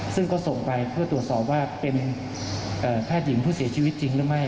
ซึ่งก็ส่งไปเพื่อตรวจสอบว่าเป็นแพทย์หญิงผู้เสียชีวิตจริงหรือไม่